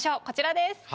こちらです。